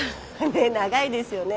ねっ長いですよね。